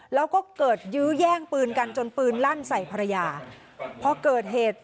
แล้วก็เกิดยื้อแย่งปืนกันจนปืนลั่นใส่ภรรยาพอเกิดเหตุ